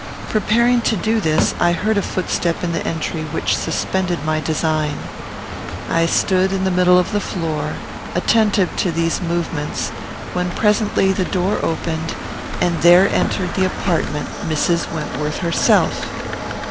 Preparing to do this, I heard a footstep in the entry which suspended my design. I stood in the middle of the floor, attentive to these movements, when presently the door opened, and there entered the apartment Mrs. Wentworth herself!